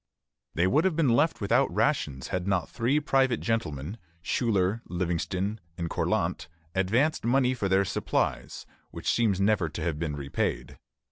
They would have been left without rations had not three private gentlemen Schuyler, Livingston, and Cortlandt advanced money for their supplies, which seems never to have been repaid.